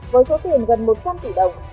với số tiền gần một trăm linh tỷ đồng